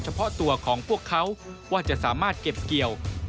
เฉพาะตัวของพวกเขาว่าจะสามารถเก็บเกี่ยว